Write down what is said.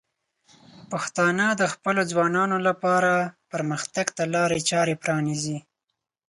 پښتانه د خپلو ځوانانو لپاره پرمختګ ته لارې چارې پرانیزي.